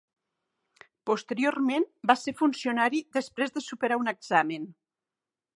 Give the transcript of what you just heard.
Posteriorment, va ser funcionari després de superar un examen.